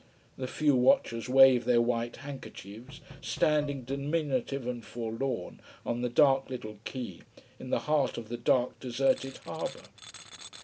The few watchers wave their white handkerchiefs, standing diminutive and forlorn on the dark little quay, in the heart of the dark, deserted harbour.